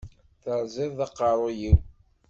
Teṛẓiḍ-iyi aqeṛṛuy-iw.